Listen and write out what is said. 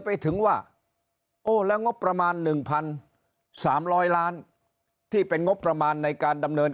ไปถึงว่าโอ้แล้วงบประมาณ๑๓๐๐ล้านที่เป็นงบประมาณในการดำเนิน